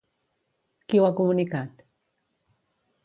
Qui ho ha comunicat?